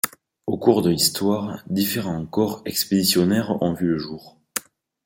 Au cours de l'histoire, différents corps expéditionnaires ont vu le jour.